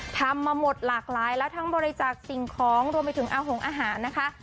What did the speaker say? ทำมาหมดหลากหลายแล้วทั้งบริจาคสิ่งของรวมไปถึงอาหงอาหารนะคะ